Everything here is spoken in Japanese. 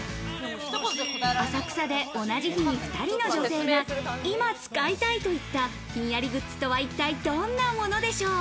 浅草で同じ日に２人の女性が今使いたいといった、ひんやりグッズとは一体どんなものでしょう？